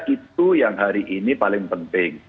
itu yang hari ini paling penting